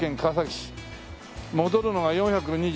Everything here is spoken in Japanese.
戻るのが４２８。